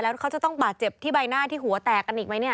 แล้วเขาจะต้องบาดเจ็บที่ใบหน้าที่หัวแตกกันอีกไหมเนี่ย